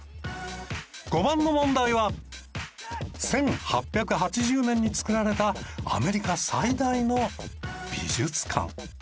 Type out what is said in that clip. ５番の問題は１８８０年に造られたアメリカ最大の美術館。